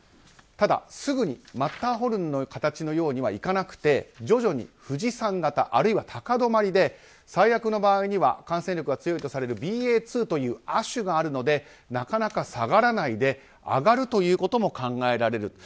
ただ、すぐにマッターホルンの形のようにはいかなくて徐々に富士山型あるいは高止まりで最悪の場合には感染力が強いＢＡ．２という亜種があるのでなかなか下がらないで上がるということも考えられる。